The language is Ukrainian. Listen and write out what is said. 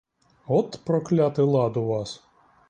От проклятий лад у вас!